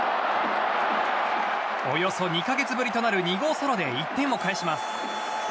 およそ２か月ぶりとなる２号ソロで１点を返します。